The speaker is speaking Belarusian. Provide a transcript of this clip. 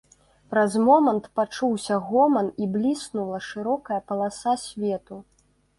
Праз момант пачуўся гоман і бліснула шырокая паласа свету.